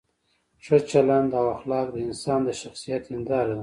ښه چلند او اخلاق د انسان د شخصیت هنداره ده.